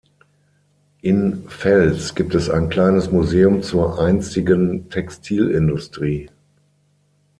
In Fels gibt es ein kleines Museum zur einstigen Textilindustrie.